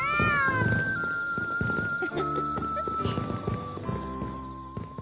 フフフフフ。